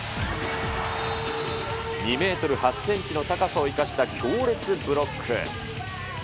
２メートル８センチの高さを生かした強烈ブロック。